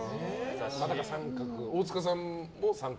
大塚さんも△？